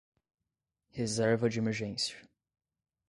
Reserva de emergência